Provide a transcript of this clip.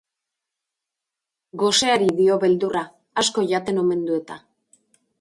Goseari dio beldurra, asko jaten omen du eta.